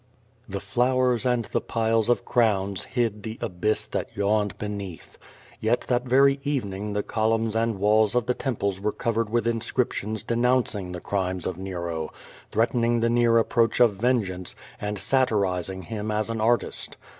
The flowers and the piles of crowns hid the abyss that yawned beneath. Yet that very evening the columns and walls of the temples were covered with inscriptions denounc ing the crimes of Nero, threatening the near approach of ven geance, and satirizing him as an artist.